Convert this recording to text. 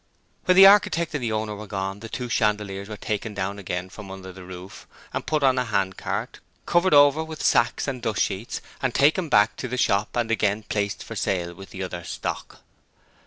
When the architect and the owner were gone the two chandeliers were taken down again from under the roof, and put upon a handcart, covered over with sacks and dust sheets and taken back to the shop and again placed for sale with the other stock.